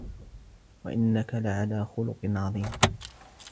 وإنك لعلى خلق عظيم